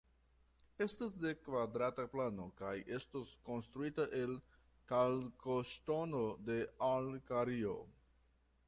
Estas de kvadrata plano kaj estos konstruita el kalkoŝtono de Alkario.